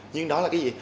nhưng đó là cái gì